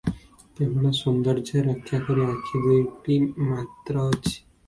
କେବଳ ସୌନ୍ଦର୍ଯ୍ୟ ରକ୍ଷା କରି ଆଖି ଦୁଇଟି ମାତ୍ର ଅଛି ।